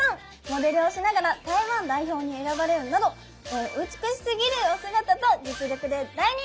モデルをしながら台湾代表に選ばれるなど美しすぎるお姿と実力で大人気！